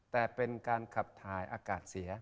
แต่เป็นการขับถ่ายอากาศเสีย